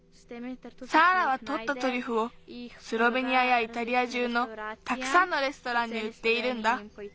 サーラはとったトリュフをスロベニアやイタリア中のたくさんのレストランにうっているんだ。